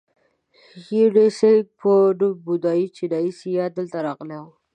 د هیونتسینګ په نوم بودایي چینایي سیاح دلته راغلی و.